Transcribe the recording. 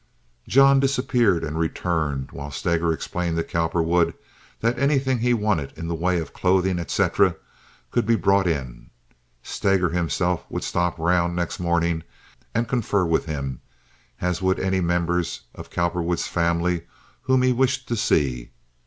John disappeared and returned, while Steger explained to Cowperwood that anything he wanted in the way of clothing, etc., could be brought in. Steger himself would stop round next morning and confer with him, as would any of the members of Cowperwood's family whom he wished to see.